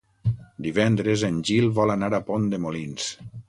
Divendres en Gil vol anar a Pont de Molins.